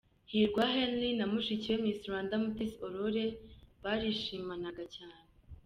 Hirwa Henry na mushiki we, Miss Rwanda Mutesi Aurore barishimanaga cyane.